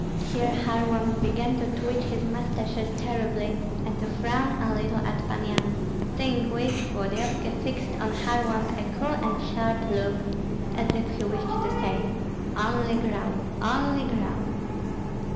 Here Kharlamp began to twitch his mustaches terribly, and to frown a little at Pan Yan; seeing which, Volodyovski fixed on Kharlamp a cool and sharp look, as if he wished to say, "Only growl, only growl!"